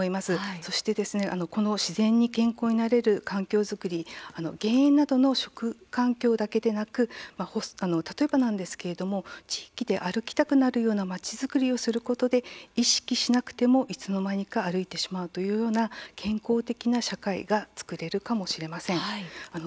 この自然に健康になれる環境作り減塩などの食環境だけでなく例えば地域で歩きたくなるような町づくりをすることで意識しなくてもいつの間にか歩いてしまうというような健康的な社会が作れるかもしれません。